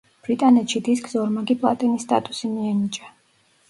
ბრიტანეთში დისკს ორმაგი პლატინის სტატუსი მიენიჭა.